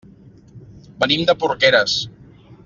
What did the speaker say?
Venim de Porqueres.